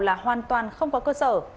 là hoàn toàn không có cơ sở